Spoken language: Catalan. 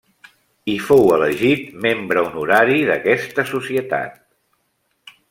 I fou elegit membre honorari d'aquesta Societat.